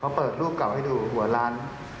เขาเปิดรูปเก่าให้ดูหัวล้าน